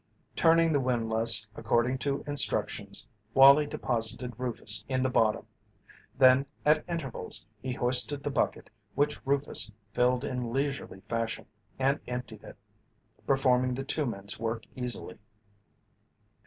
Turning the windlass according to instructions, Wallie deposited Rufus in the bottom. Then at intervals he hoisted the bucket which Rufus filled in leisurely fashion, and emptied it, performing the two men's work easily.